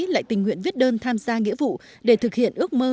lại tình nguyện viết đơn tham gia nghĩa vụ để thực hiện ước mơ